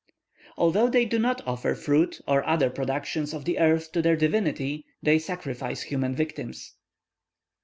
Although they do not offer fruit or other productions of the earth to their divinity, they sacrifice human victims.